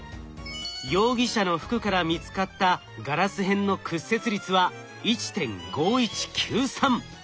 容疑者の服から見つかったガラス片の屈折率は１．５１９３。